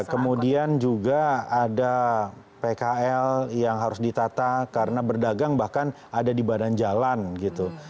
kemudian juga ada pkl yang harus ditata karena berdagang bahkan ada di badan jalan gitu